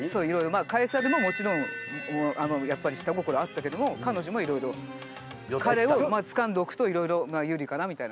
まあカエサルももちろんやっぱり下心あったけども彼女もいろいろ彼をつかんでおくといろいろ有利かなみたいな。